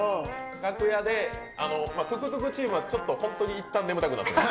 楽屋で、トゥクトゥクチームはちょっと本当にいったん眠たくなってます。